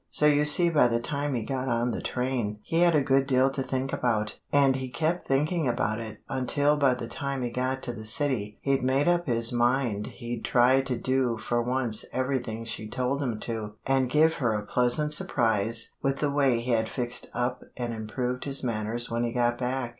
So you see by the time he got on the train he had a good deal to think about, and he kept thinking about it until by the time he got to the city he'd made up his mind he'd try to do for once everything she told him to and give her a pleasant surprise with the way he had fixed up and improved his manners when he got back.